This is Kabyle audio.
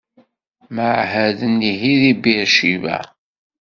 Mɛahaden ihi di Bir Cibaɛ.